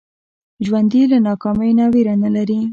ژوندي له ناکامۍ نه ویره نه لري